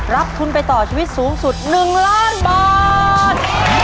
รับทุนไปต่อชีวิตสูงสุด๑ล้านบาท